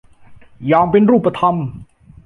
อย่างเป็นรูปธรรม